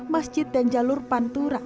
masjid dan jalur pantura